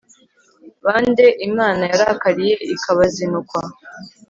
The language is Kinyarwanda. ba nde Imana yarakariye ikabazinukwa